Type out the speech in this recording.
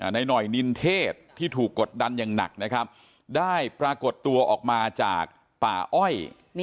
หน่อยนินเทศที่ถูกกดดันอย่างหนักนะครับได้ปรากฏตัวออกมาจากป่าอ้อย